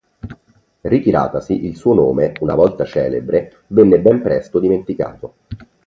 Ritiratasi, il suo nome, una volta celebre, venne ben presto dimenticato.